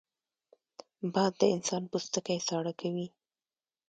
باد د انسان پوستکی ساړه کوي